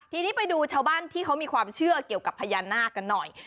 ทีนี้ไปดูชาวบ้านที่เขามีความเชื่อเกี่ยวกับพญานาคกันหน่อย